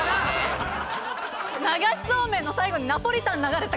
流しそうめんの最後にナポリタン流れた感じだわ。